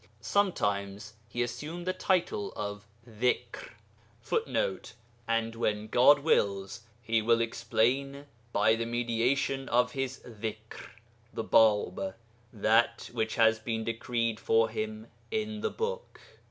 Sometimes he assumed the title of Zikr [Footnote: And when God wills He will explain by the mediation of His Zikr (the Bāb) that which has been decreed for him in the Book.